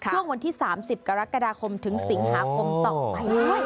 ช่วงวันที่๓๐กรกฎาคมถึงสิงหาคมต่อไปด้วย